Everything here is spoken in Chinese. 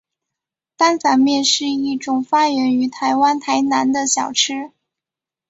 担仔面是一种发源于台湾台南的小吃。